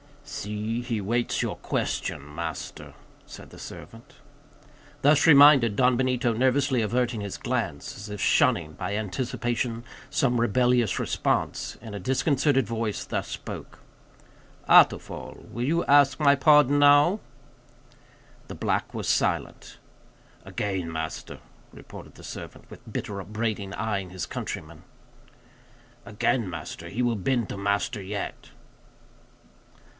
"See, he waits your question, master," said the servant. Thus reminded, Don Benito, nervously averting his glance, as if shunning, by anticipation, some rebellious response, in a disconcerted voice, thus spoke:— "Atufal, will you ask my pardon, now?" The black was silent. "Again, master," murmured the servant, with bitter upbraiding eyeing his countryman, "Again, master; he will bend to master yet."